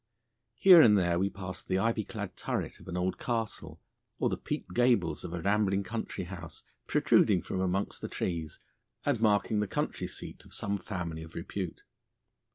Here and there we passed the ivy clad turret of an old castle or the peaked gables of a rambling country house, protruding from amongst the trees and marking the country seat of some family of repute.